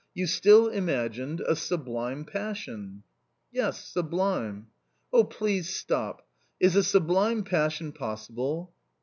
You still imagined — a sublime passion. " Yes, sublime !"" Oh, please, stop ! is a sublime passion possible